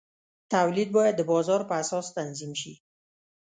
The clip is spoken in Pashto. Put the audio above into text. تولید باید د بازار په اساس تنظیم شي.